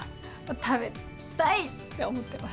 食べたいって思ってます。